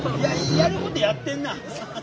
やることやってんな。